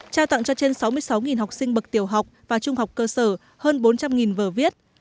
trao tặng cho trên sáu mươi sáu học sinh bậc tiểu học và trung học cơ sở hơn bốn trăm linh vở viết